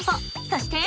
そして！